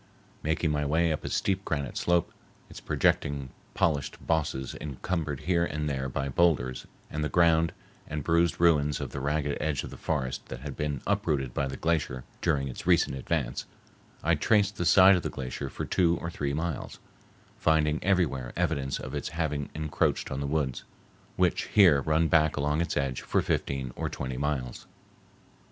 Making my way up a steep granite slope, its projecting polished bosses encumbered here and there by boulders and the ground and bruised ruins of the ragged edge of the forest that had been uprooted by the glacier during its recent advance, I traced the side of the glacier for two or three miles, finding everywhere evidence of its having encroached on the woods, which here run back along its edge for fifteen or twenty miles.